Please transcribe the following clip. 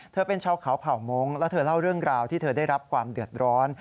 เธอเป็นชาวเขาเผ่ามงค์แล้วเธอเล่าเรื่องราวที่เธอได้รับความเดือดร้อน